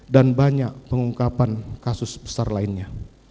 banyak pengungkapan kasus besar lainnya